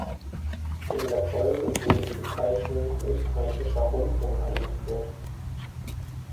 In der Folge wurde die Bezeichnung „Österreichischer Rundfunk“ eingeführt.